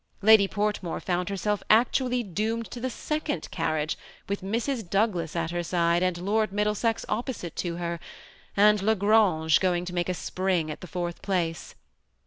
Lady Portmore found herself actually doomed to the second carriage, with Mrs. Douglas at her side, and Lord Middlesex opposite to her, and La Grange going to make a spring at the fourth place.